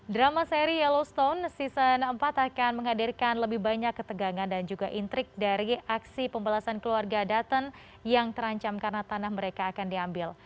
drama seri yellowstone season empat akan menghadirkan lebih banyak ketegangan dan juga intrik dari aksi pembalasan keluarga dutton yang terancam karena tanah mereka akan diambil